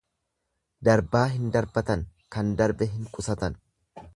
Darbaa hin darbatan, kan darbe hin qusatan.